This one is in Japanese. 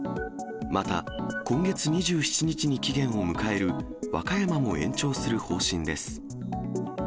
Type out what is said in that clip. また、今月２７日に期限を迎える和歌山も延長する方針です。